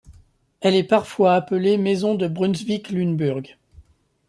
Elle est parfois appelée maison de Brunswick-Lüneburg.